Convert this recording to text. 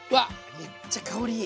めっちゃ香りいい！